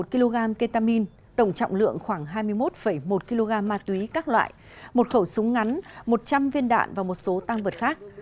một mươi hai một kg ketamine tổng trọng lượng khoảng hai mươi một một kg ma túy các loại một khẩu súng ngắn một trăm linh viên đạn và một số tang vật khác